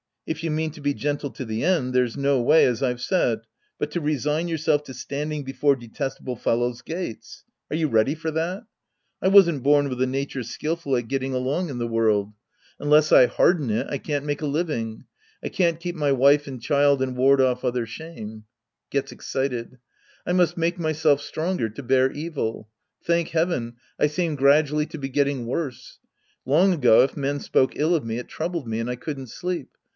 If you mean to be gentle to the end, there's no way, as I've said, but to resign youi'self to standing before detesta ble fellows' gates. Are you ready for that? I wasn't born with a nature skilful at getting along in the Sc. I The Priest and His Disciples 23 world. Unless I harden it, I can't make a living. I can't keep my wife and child and ward off other shame. ■ {Gets excited.^ I must make myself stronger to bear evil. Thank heaven, I seem gradually to be getting worse. Long ago, if men spoke ill of me, it troubled me, and I couldn't sleep.